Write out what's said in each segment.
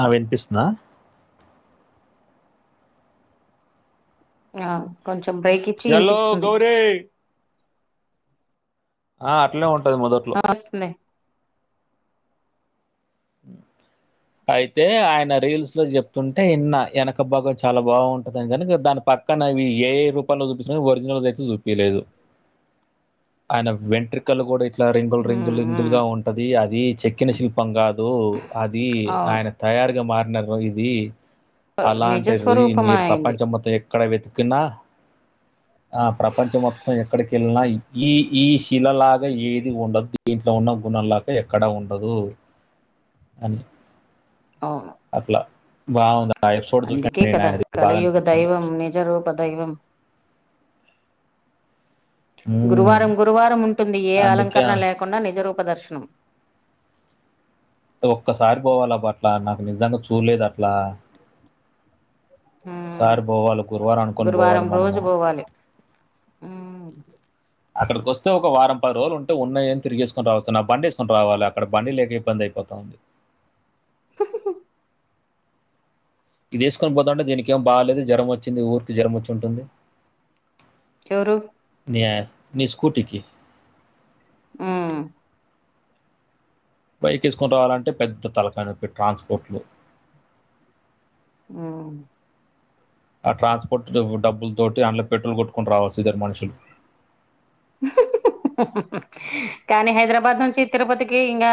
ఆ వినిపిస్తుందా ఆ కొంచెం బ్రేక్ ఇచ్చి ఎల్లో వినిపిస్తుంది గౌరీ ఆ అట్లే ఉం అ వస్తుంది అ అయితే ఆయన రీల్స్ లో చెప్తుంటే ఇన్న వెనకబాగం చాలా బాగుంటుందని కని దాని పక్కనవి ఏఐ రూపంలో చూపిస్తుంది ఒరిజినల్గా అయితే చూపిలేదు ఆయన వెంట్రికలు కూడా ఇట్ ఇట్లా రింగుల్ రింగు రింగులు ఉమ్ గా ఉంటది అది చెక్కిన శిల్పం కా దు అది అవును ఆయన తయారుగా మారిన ఇది అలాంటి మీరు నిజస్వరూపమైంది ప్రపంచం మొత్తం ఎక్కడ వెత్ కిన ఆ ప్రపంచం మొత్తం ఎక్కడికేళ్ళినా ఇ ఈ ఈ శిల లాగా ఏది ఉండదు దీంట్లో ఉన్న గుణంలాగా ఎక్కడ ఉండదు అని అవును అట్లా బాగుంది అ ఎపిసోడ్ చూసిన అందుకే నిను కదా అయినది బాగా కలయుగ అనిపించింది దైవం నిజరూప దైవం మ్మ్. గురువారం గురువారం ఉంటుంది ఏ అందుకే అలంకరణ లేకుండా నిజరుప్ ప దర్శనం ఒక్కసారి పోవాలబ్బ అట్లా నాకు నిజంగా చూడలేదు అట్లా ఉమ్ సారి పోవాలే గురవారం అనుకొని పోవాలే మనము మ్ అక్కడికోస్తె ఒక వారం పది రోజలు ఉంటే ఉన్నాయే తిరిగేసుకోని రావచ్చు నా బండేసుకోని రావాలి అక్కడ బండి లేక ఇబ్బందైపో తంది ఇది వేసుకొని పోదమంటే దీనికి ఏం బాగాలేదు జ్వరం వచ్చింది ఊరికి జ్వరం వచ్చి ఉంటుంది ఎవరు ఏ మీ స్కూటీకి ఆ బైకేసుకుొని రావాలంటే పెద్ద తలకాయనోప్పి ట్రాన్స్పోట్లు ఆ ఆ ట్రాన్స్పోర్ట్ డబ్బుల తోటి అందులో పెట్రోల్ కొట్టుకోని రావచ్చు ఇద్దరు మనుషులు కానీ హైదరాబాద్ నుంచి తిరుపతికి ఇంగ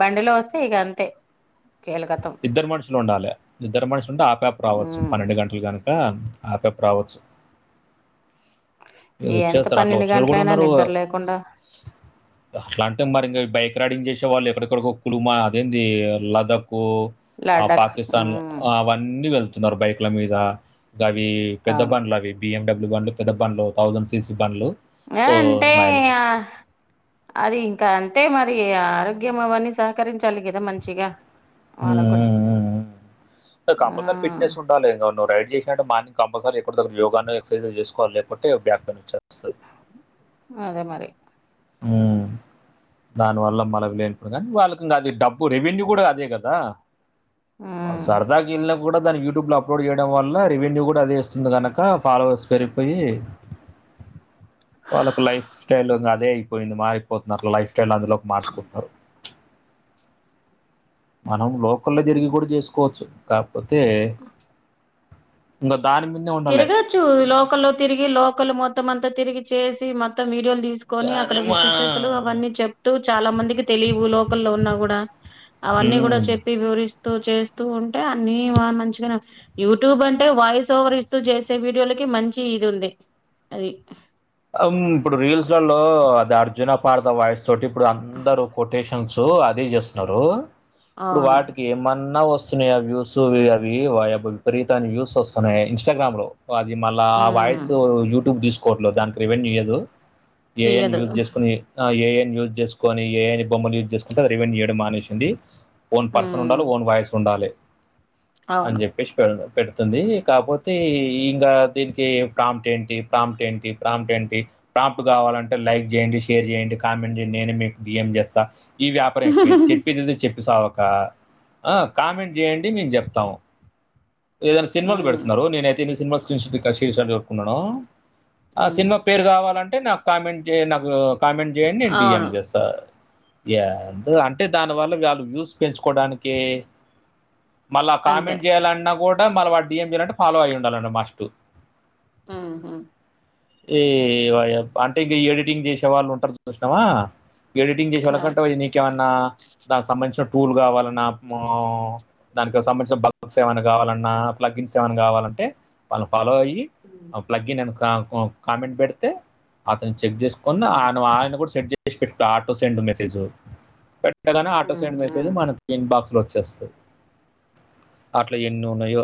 బండిలో వస్తే ఇంగ అంతే అ కీలకతం ఇద్దరు మనుషులు ఉండాలే ఇద్దరు మనుషులు ఉంటే ఆపపి రావచ్చు ఉమ్ పన్నెండు గంటలు కానీ గా ఆపపి రావచ్చు ఇగ ఎంత వచ్చేస్తారు అట్లా పన్నెండు వచ్చినోళ్ళు కూడా గంటలైనా ఉన్నారు నిద్ర లేకుండా అట్లా అంటే మరి ఇంగ బైక్ రైడింగ్ చేసే వాళ్ళు ఎట్ ఎక్కడెక్కడకో కుటుంబా అదేంది లదఖో ఆ లడక్ పాకిస్తాన్ మ్మ్ అవన్నీ వెళ్ న్నారు బైక్ల మీద ఇంకా గవి పెద్ద అవును పండ్లు అవి బిఎండబ్ల్యూ బండ్లు పెద్ద బండ్లు థౌసండ్ సిసీ బండ్లు ఆ సో అంటే మైల్ ఇ అది ఇంకా అంతే మ అరి ఆరోగ్యం అవన్నీ సహకరించాలి కదా మంచిగా వాళ్ళకు ఉమ్ కూడా ఊ ఊ ఆ కంపల్సరీ ఫిట్నెస్ ఉండాలి ఇగ వా నువ్ రైడ్ చేసినట మార్నింగ్ కంపల్సరీ ఎక్కడ్ దగ్గర యోగా ఎక్సైజు చేసుకోవాలి లేకుంటే బ్యాక్ పెయిన్ వచ్చేస్తది అదే మరి ఉమ్ దానివల్ల మళ లేనప్పుడు కానీ వాళ్ళకి ఇంకా అది డబ్బు రెవెన్యూ కూడా అదే కదా వాల్ మ్మ్ సరదా కి ఎల్న్ప్ కూడా దాన్ని యూట్యూబ్లో అప్లోడ్ చేయ్యడం వల్ల రెవెన్యూ కూడా అదే ఇస్తుంది కనుక ఫాలోవర్స్ పెరిగిపోయి వాళ్ళకు లైఫ్ స్టైల్ ఇంగ అదే అయిపోయింది మారిపోతుంది అట్లా లైఫ్ అందులోకి మార్చుకుట్నారు మనం లోక్ లోకల్లో తిరిగి కూడా చేసుకోవచ్చు కాక్పోతే ఇంగా తిరగచ్చు లోకల్లో తిరిగి లోకల్ మొత్తం అంతా తిరిగి చేసి మొత్తం వీడియోలు తీసుకొని కానీ అక్కడ విశిష్టతలు మా- అవన్నీ చెప్తూ చాలా మందికి తెలియవు లోకల్లో ఉన్నా కూడా అవన్నీ కూడా ఉమ్. చెప్పి వివరిస్ చేస్తూ ఉంటే అన్ని వ మంచిగానే యూట్యూబ్ అంటే వాయిస్ ఓవర్ ఇస్ ఇస్తూ చేసే వీడియోలకి మంచి ఇది ఉంది అది ఉమ్ ఇప్పుడు రీల్స్ లలో అది అర్జున పార్థ వాయిస్ తోటి ఇప్పుడు అందరూ కొటేషన్స్ అదే చేస్తున్నారు ఇప్పుడు అవును. వాటికి ఏమన్నా వస్ వస్తున్నాయా వ్యూస్ అవి ఓ యబ్బా విపరీతన్ని వ్యూస్ వస్తున్నాయి ఇన్స్టాగ్రామ్ లో అది మళ్ళా ఆ హ్మ్. వాయిస్ యూట్యూబ్ తీసుకోవట్లేదు దానికి రెవెన్యూ ఇయ్యదు ఏఐని ఇయ్యదు. యూజ్ చేసుకుని ఆ ఏఐ యూజ్ చేస్కొని ఏఐ బొమ్మలు యూజ్ చేసుకుంటే రెవెన్యూ ఇయ్యడం మానేసింది ఓన్ పర్సన్ హ్మ్. ఉండాలి ఓన్ వాయిస్ ఉండాలి అన్ అవును. జెప్పేసి పె పెడుతుంది కాకపోతే ఇంకా దీనికి ప్రామ్ట్ ఏంటి ప్రామ్ట్ ఏంటి ప్రాప్ట్ ఏంటి ప్రాప్ట్ కావాలంటే లైక్ చెయ్యండి షేర్ చెయ్యండి కామెంట్ చేయ్యండి నేనే మీకు డియమ్ చేస్తా ఈ వ్యాపారం అయిపోయింది చెప్పది చెప్పి సావ కా ఆ కామెంట్ చెయ్యండి మేము జెప్తాము ఏదైనా సినిమాలు హ్మ్. పెడుతున్నారు నేనైతే ఎన్ని సినిమా స్క్రీన్ షాట్ స్క్రీ షాట్ ఎట్కున్నానో ఆ హ్మ్. సినిమా పేరు కావాలంటే నాకు కామెంట్ నాకు కామెంట్ చెయ్యండి నేను డిఎం అవును. చేస్తా ఎందో అంటే దానివల్ల వాళ్ళు వ్యూస్ పెంచుకోడానికి మళ్ళా ఆ అంతే. కామెంట్ చేయాలన్నా కూడా మళ్ళా వా డిఎం చేయాలంటే ఫాలో అయ్యి ఉండాలంటే మస్ట్ ఊహు ఈ ఒయ బ్ అంటే ఈ ఎడిటింగ్ చేసే వాళ్ళు ఉంటారు చూస్నావా ఎడిటింగ్ చేసే వాళ్ళ అవును. కట్ట నీకేమన్నా దానికి సంబంధించిన టూల్ కావాలన్నా మొ దానికి సంబంధించిన బగ్స్ ఏవన్నా కావాలన్నా ప్లగి న్స్ కావాలంటే వాళ ఫాలో అయ్యి హ్మ్. అవును. ప్లగ్గిన్ అని ఒ కామెంట్ పెడితే అతన్ చెక్ చేసుకుని హ్మ్. ఆన్ ఆయన కూడా సెట్ చేసిండు ఆటో సెండ్ మెసేజ్ పెటగానే ఆటో హ్మ్. సెండ్ మెసేజ్ హ్మ్. మనకి ఇం బాక్స్ లో వచ్చేస్తది అట్లా ఎన్ని ఉన్నయో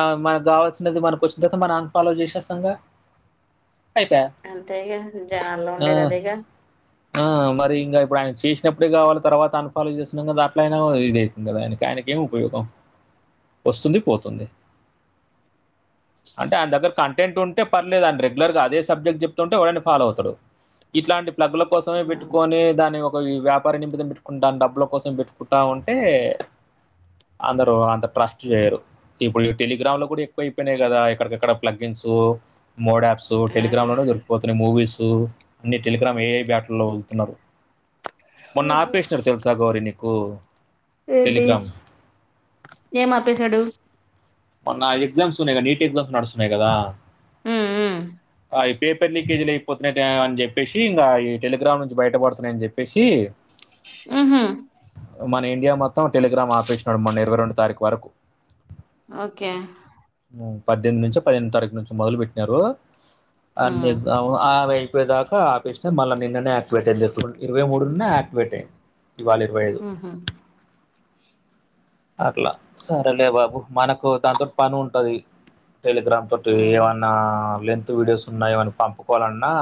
ఆ మనకు కావాల్సినది మనకు వచ్చిన తర్వాత మనం అన్ ఫాలో చేసేసంగా అంతేగా జనాల్లో ఉండేది అదేగ ఆ మరి ఇంకా ఇప్పుడు ఆయన చేసినప్పుడే కావాలి తర్వాత అన్ఫాలో చేసినం కదా అట్లయినా ఇది ఐతుంది కాయన ఆయనకి ఏం ఉపయోగం వస్తుంది పోతుంది అంటే ఆయన దగ్గర కంటెంట్ ఉంటే పర్లేదు అని రెగ్ గ్లర్గా అదే సబ్జెక్ట్ చెప్తుంటే ఎవడన ఫాలో అవుతడు ఇలాంటి ప్లగ్ ల కోసమే పెట్టుకోసమే హ్మ్. పెట్టుకొని దాని ఒ ఓ ఈ వ్యాపార నిమితం పెట్టుకుంట డబ్బుల కోసం పెట్టుకుంట ఉంటే అందరు అంత ట్రస్ట్ చేయరు ఇప్పుడు ఈ టెలిగ్రామ్ లు కూడా ఎక్కువ అయిపోయినాయి కదా ఎక్కడికక్కడ ప్లగ్ ఇన్స్ ఊ మోడాప్ సో ఆ! టెలిగ్రామ్ లోనే దొరికిపోతున్నాయి మూవీసు అన్ని టెలిగ్రామ్ ఏఐ బ్యాట లో వదులుతున్నరు మొన్న ఆపేష్ నాడు తెల్సా గౌరి నీకు ఏంటి టెలిగ్రామ్? ఏం ఆపేసడు మొన్న ఎక్సామ్స్ ఉన్నాయి కదా నీట్ ఎక్సామ్స్ నడుస్తున్నాయి కదా ఊ ఊ అయ్ పేపర్ లీకేజ్లు అయిపోతునయట అని చెప్పేసి ఇంకా ఈ టెలిగ్రామ్ నుంచి బయటపడుతున్నాయని చెప్పేసి ఆహా మన ఇండియా మొత్తం టెలిగ్రామ్ ఆపేసినాడు మొన్న ఇరవై రెండు తారీఖు వరకు ఓకే ఊ పద్దెనిమిది నుంచో పదిహేను తారీఖు నుంచి మొదలు పెట్టినారు అన్ని హ్మ్. ఎగ్జామ్ ఆ రై ట్వయ్ దాకా ఆపేష్ణం మళ్ళ నిన్ననే ఆక్టివేట్ అయ్యింది ఎపుడు ఇరవై మూడునే ఆక్టివేట్ అయ్యింది ఇవాళ ఇరవై ఐదు హుహు. అట్ల సరేలే బాబు మనకు దాన్ తోటి పని ఉంటది టెలిగ్రామ్ తోటి హ్మ్. ఏమన్నా లెంత్ వీడియోస్ ఉన్నా ఏమన్నా పంపుకోవాలన్నా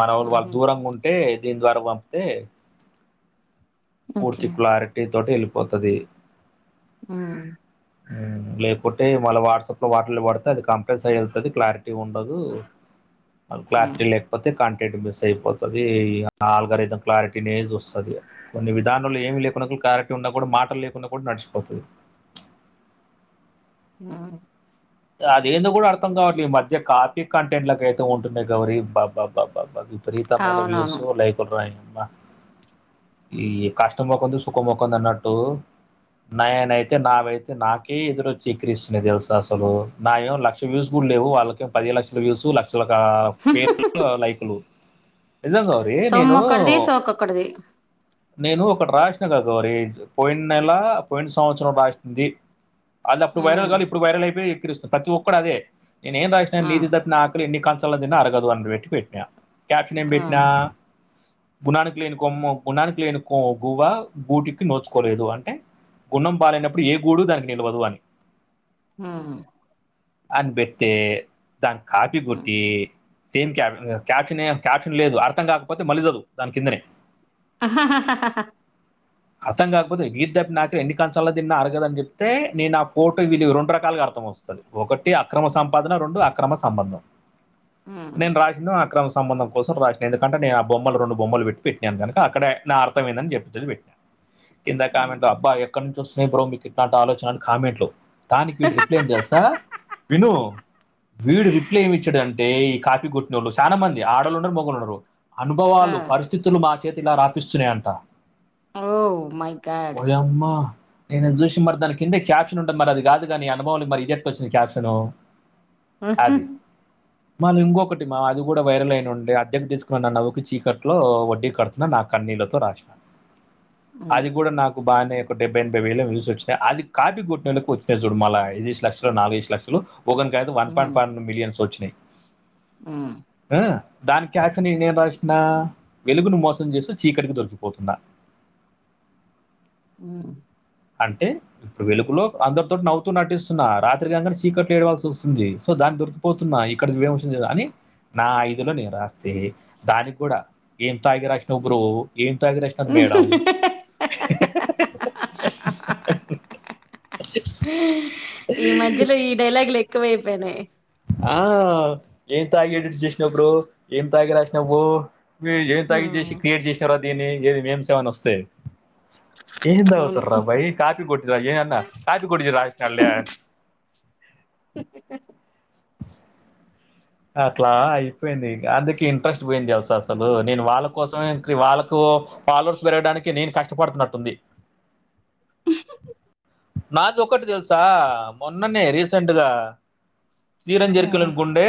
మనం వాళ్ళు హుహు. దూరంగా ఉంటే దీని ద్వారా పంపితే ఓకే. పూర్తి క్లారిటీ తోటి వెళ్ళిపోతది ఊ కొట్టి మళ్ళ వాట్సప్ లో వాటలో పడితే అది కంప్రెస్ అయి వెళ్తది క్లారి టీ ఉండదు హ్మ్. క్లారిటీ లేకపోతే కన్ టెట్ మిస్ అయిపోతది ఇగ ఆల్గారితం ల క్లారిటీనే జూస్తది ఇగ కొన్ని విధానుల్లో ఏమి లేకుడా క్లారిటీ ఉన్నా కూడా మాటలు లేకుండా కూడా నడిచిపోతది ఆ అదేందు కూడా అర్థం కావట్లే ఈ మధ్య కాపీ కంటెంట్ ల కయితే ఉంటున్నాయి గౌరి బ బ బ బ బ అవి విపరీతమైన వ్యూస్ అవునవును. లైకుల రా ఇంగ ఈ కష్టం మొకంది సుఖం మొకంది అన్నట్టు నయ్ నైతే నావైతే నాకే ఎదురు అచ్చి ఇక్కిరిస్తున్నయ్ తెల్సా అస్ తలు నాయేమో లక్ష వ్యూస్ కూడా లేవు వాళ్ళకేం పదిహెడు లక్షల వ్యూస్ ల అసల కా ఫేక్ ల లైకులు నిజం గౌరి నేను సొమ్మొక్కడిది, సోకొక్కడిది. నేను ఒకటి రాసినా గా గౌరి పోయిన నెల పోయిన సంవత్సరం రాసింది అది అప్పుడు వైరల్ హ్మ్. కాదు ఇప్పుడు వైరల్ అయిపొయి ఎకిరిస్తుంది ప్రతి ఒక్కడు అదే నేన్ ఏం రాసినా నీతి హ్మ్. తప్పిన ఆకలి కం చల తిన్న అరగదు అండ్ పెట్టి పెట్టిన కాప్షన్ ఏం పెట్టిన హ్మ్. గుణానికి లేని కొము గుణానికి లేని కొ గువా గూటికి నోచుకోలేదు అంటే గుణం పాలనప్పుడు ఏ గూడు దానికి తేలవదు అని ఆ అని పెడితే దాని కాఫీ హ్మ్ కొట్టి సేమ్ క్యాప్ క్యాప్షన్ క్యాప్షన్ లేదు అర్థం కాకపోతే మళ్ళీ చదువు దాని కిందనే [unintelligible] అర్థం కాకపోతే వీళి తబ్బి నాకు ఎన్నిక అంశాల తిన్న అరగదని చెప్తే నేను ఆ ఫోటో వీడియో రెండు రకాలుగా వస్తాది ఒకటి అక్రమ సంపాదన రెండు అక్రమ సంబంధం హ్మ్ నేను రాసింద అక్రమ సమా సంబంధం కోసం రాసిన ఎందుకంటే నేను రెండు బొమ్మలు పెట్టి పెట్టినాను కనుక అక్కడ ఎట్లా అర్థం ఏందని చెప్పి పెట్టినాను కింద హ్మ్ కామెంట్లు అబ్బా ఎక్కడి నుంచి వస్తున్నాయి బ్రో మీకు ఇట్లా ఆలోచన అని కామెంట్లు దానికి రిప్లై ఏం తెలుసా విను వీడు రిప్లై ఏమి ఇచ్చాడుంటే ఈ కాపీ కొట్టినోళ్ళు చాలా మంది ఆడళ్లు ఉన్నారు మొగోళ్లు ఉన్నారు, ఆ అనుభవాలు పరిస్థితులు మా చేత ఇలా రాపిస్తున్నాయంట ఓ మై గడ్ ఓయమ్మా నేను చూసిన మరి దాని కింద క్యాప్షన్ ఉంటాంది మరి అది కాదుగానీ అనుభవలు మరి ఇది ఎట్లవొ చ్చింది క్యాప్షను హహ మాళ్ళ ఇంకొకటి మా అది కూడా వైరల్ అయిన ఉండా అద్దె కి తీసుకున్న అన్న చీకట్లో వడ్డీ కడుతున్నా నా క కనీళ్లతో రాసిన అది కూడా నాకు బాగానే ఒక డెబ్బై ఎనబై వేలు యూస్ వచ్చినయి అది కాపీ కొట్టినోలకి వచ్చినది చుడు మళ ఐదుఏసీ లక్షలు నాలుగుఏసీ లక్షలు ఒక నీకైతే one point hmm five millions వచ్చినాయి హ్మ్ అ దానికి ఆప్షన్ నేను ఏం రాసిన వెలుగును మోసం చేస్తూ చీకటికి దొరికిపోతునదా [unintelligible] ఊ అంటే వెలుగులో అందరితోటి నవ్వుతూ నటిస్తున్నా రాత్రిగానే చీకట్లు ఏడవాల్సి వస్తుంది సో దాన్ని దొరికిపోతున్నా ఇక్కడ యూస్ వస్తుంది కాద అని నా ఐదులో నేను రాస్తే దానికి కూడా ఏ తాగి రాసినవ్ బ్రో ఏం తాగిరాసిన మేడం హ హ హ హ హ ఈ మధ్యలో ఈ డైలాగులే ఎ ఎక్కువ అయిపోయినాయి ఆ ఏం తాగి ఎడిట్ చేసినవ్ బ్రో ఏం తాగి రాసినావ్ బ్రో మీరు ఏమి తాగి చేసి హ్మ్ క్రియేట్ చేసినావురో దీన్ని ఏది మేం సేమని వస్తే ఏం అవును తాగుత్తారబాయ్ కాపీ కొట్టరా ఏమన్నా కాపీ కొట్టి రాసినడులే [unintelligible] అట్లా అయిపోయింది అందుకె ఇంట్రెస్ట్ పోయింది అస అసలు నేను వాళ్ళ కోసమే వాళ్ళకు ఫాలోస్ పెరగాడానికి నేను కష్టపడుతున్నట్టుంది, నాది ఒకటి తెలుసా మొన్ననే రిసంట్గా హ్మ్ సీరంచెేరికలను గుండే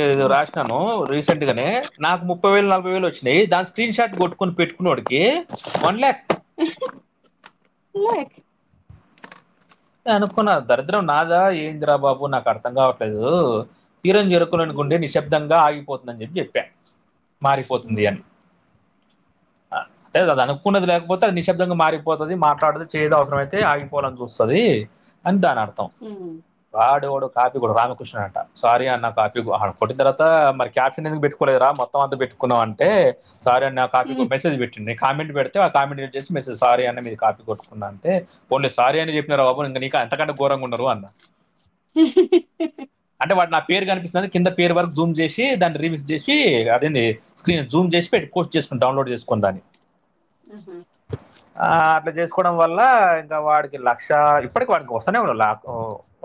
హె రాసినాను రీసెంట్ గానే నాకు ముప్పై వేలు నలభై వేలు వచ్చినాయి దా స్క్రీన్ షార్ట్ కొట్టుకొని పెట్టుకున్నావోడికి వన్ ల్యాక్ లాక్ అనుకున్నా దరిద్రం నాదా ఎద్రారా బాబు నాకు అర్థం కావట్లేదు తీరం జరుకునుకుంటే హ్మ్ నిశ్శబ్దంగా ఆగిపోతుందని చెప్పి చెప్పా మారిపోతుంది అని [unintelligible] అదే అదా అనుకున్నది లేకపోతే అది నిశబ్దంగా మారిపోతుది మాట్లాడుతుది చేయడం అవసరం అయితే ఆగిపోవాలని చూస్తుంది, తదీ అని దాని అర్థం హ్మ్ వాడెవడో కాపీ గూడా రామకృష్ణుడు అంటా సారీ అన్న కాపీ అహ కొట్టిన్ తరువాతా మరి క్యాప్షను ఎందుకు పెట్టుకోలేదురా మొత్తం అంతా పెట్ కున్నావ్ అంటే సారీ అన్నా కాపీ కొట్ మెసేజ్ పెట్టిండు నెక్ట్స్ కామెంట్ పెడితే ఆ కామెంట్ వచ్చేసి మెసెజ్ సారీ అన్నా మీది కాపీ కొట్టుకున్నా అంతే. పోన్లే సారీ అని చెప్ప్ ప్పినావురా బాబు ఇంగ నీకు అంతకంటే గోరంగ ఉన్నరు అన్న. ఈహ్హ్ ఈహ్హ్ ఈహ్హ్ ఈహ్హ్ ఈహ్ అంటే వాడు నా పేరు కనిపిస్తుందని కింద పేరు వరకు జూమ్ చేశీ, దాన్ని రీమిక్స్ చేశీ అదేంది స్క్రీన్ జూమ్ చేశి పెట్ పోస్ట్ చేసుకుండు డౌన్లోడ్ చేసుకొని దాన్ని ఆహా ఇట్ల చేసుకోవడం వల్లా ఇంక వాడికి లక్ క్షా ఇప్పటికి వాడికి వస్తనే ఉన్నరు లాకు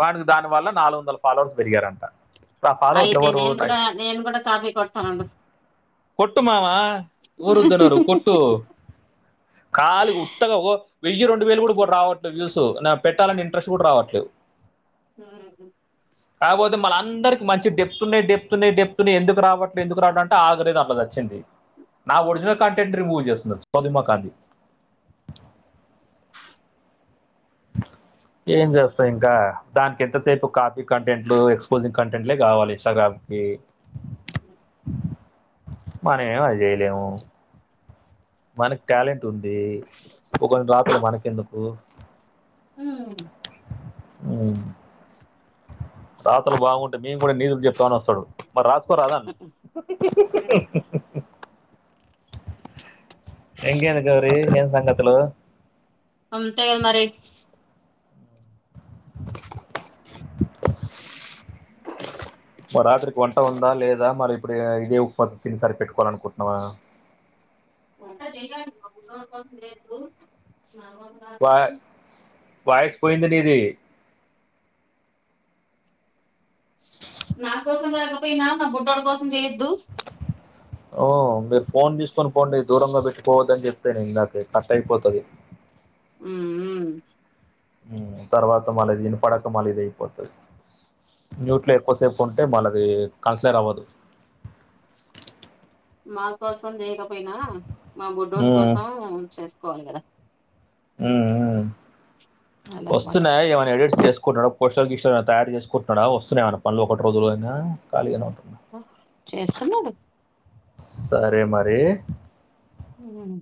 వాడికి దాని వల్ల నాలుగు వందల ఫాలోవర్స్ పెరిగారంటా. అయితే నేన్ కూడా నేన్ కూడా కాపీ కొడ్తా నండి. కొట్టు మావా ఎవరొద్దనరు కొట్టూ. ఖాళిగ ఉత్తగ అగో వెయ్యి రొండ్ డు వేలు గూడా రావట్లే వ్యూసు నా పెట్టాలని ఇంట్రెస్ట్ గూడ రావట్లేదు. [unintelligible] కాకపోతే మళ్ళ అందరికి మంచి డెప్తున్నాయి డెప్తున్నాయి డెప్తున్నాయి ఎందుకు రావట్లే ఎందుకు రావడం అంటే ఆల్గరిధం. కతి వచ్చింది. నా ఒరిజినల్ కంటెంట్ రిమూవ్ చేస్తుంది అది సోధిమోఖాంది. [inaudible] [inaudible] ఏం చేస్తాం ఇంకా దానికి ఎంతసేపు కాఫీ కంటెంట్లూ ఎక్స్పోజింగ్ కంటెంట్లే కావాలి ఇంస్టాగ్రామ్. కీ బ [inaudible] మనం ఏమొ అదిజెయ్యలేము మనక్ టాలెంట్ ఉందీ. ఒకని రాతలు మనకెందుకు. హ్మూ ఊ రాతలు బాగుంటే మేము గూడ నీతులు చెప్తమని వస్తడు. మరి రాసుకోరాదన్న ఇంకేది గౌరీ ఏం సంగతులు. అంతేగద మరి మరి రాత్రికి వంట ఉందా లేదా మరి ఇప్పుడు ఇదే ఉప్మా తిని సరి పెట్టుకోవాలనుకుటునవా. వా [inaudible] వాయిస్ పోయింది నీదీ నా కోసం కాకపోయినా మా బుడ్డోడి కోసం చెయొద్దు. ఓ మీరు ఫోన్ తీసుకొని పోండి దూరంగా పెట్టిపోవద్దని చెప్పాను ఇందాకే కట్ అయిపోతది. [inaudible] ఊఊ హ్ము తర్వాత మళ్ళ అది ఇనపడక మళ్లి ఇది ఐపోతది. మ్యూట్లో ఎక్కువసేపు ఉంటే మనదీ కన్సిడర్ అవ్వదు. మా కోసం జేయకపోయినా మా బుడ్డొని కోసం చేసుకోవాలి గదా. ఊ హూ అలా అనమాట వస్తున్నాయా ఏమైనా ఎడిట్స్ చేసుకుంటాడా పోస్టల్ గీస్టల్ ఏమన్న తయారు చేసుకుంటున్నడా వస్తున్నాయా ఏమన్న పనులు ఒకటి రోజులు గూడంగా ఖాళిగనే ఉంటున్ ఓహ్ చేస్తున్నడు సరే మరీ ఉహ్మహ్మ్